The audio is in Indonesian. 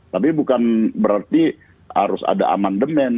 tapi bukan berarti harus ada amandemen